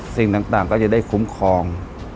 สิ่งต่างก็จะได้คุ้มครอง